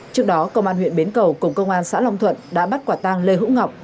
trước đó công an huyện bến cầu cùng công an xã long thuận đã bắt quả tang lê hữu ngọc